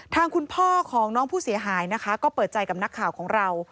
ทางคุณพ่อของน้องผู้เสียหายนะคะก็เปิดใจกับนักข่าวของเรา